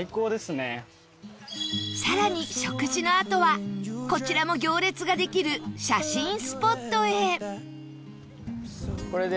更に食事のあとはこちらも行列ができる写真スポットへ